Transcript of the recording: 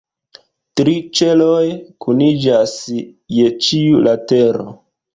Tri ĉeloj kuniĝas je ĉiu latero.